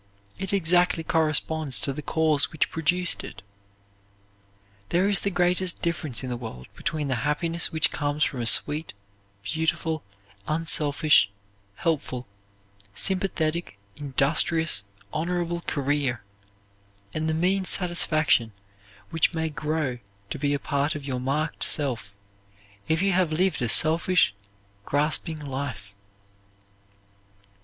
It exactly corresponds to the cause which produced it. There is the greatest difference in the world between the happiness which comes from a sweet, beautiful, unselfish, helpful, sympathetic, industrious, honorable career, and the mean satisfaction which may grow to be a part of your marked self if you have lived a selfish, grasping life.